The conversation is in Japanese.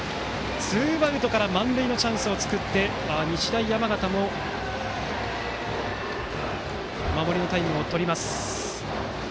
ツーアウトから満塁のチャンスを作って日大山形も守りのタイムをとります。